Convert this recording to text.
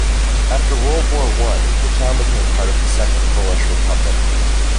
After World War One the town became part of the Second Polish Republic.